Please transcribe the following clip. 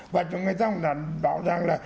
và cho người ta cũng đã bảo rằng là